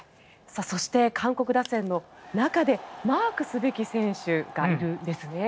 そして、韓国打線の中でマークすべき選手がいるんですね。